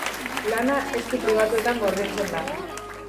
Lana esku pribatuetan gordetzen da.